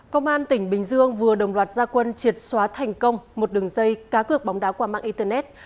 công an tỉnh bình dương vừa đồng loạt gia quân triệt xóa thành công một đường dây cá cược bóng đá qua mạng internet